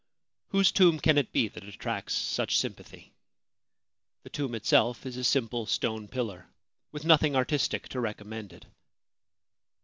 Whose tomb can it be that attracts such sympathy? The' tomb itself is a simple stone pillar, with nothing artistic to recommend it.